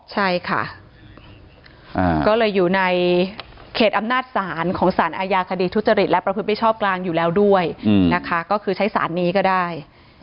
ใช่ค่ะก็เลยอยู่ในเขตอำนาจศาลของสารอาญาคดีทุจริตและประพฤติมิชชอบกลางอยู่แล้วด้วยนะคะก็คือใช้สารนี้ก็ได้